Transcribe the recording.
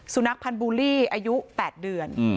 สุนัขพันธ์บูลลี่อายุ๘เดือน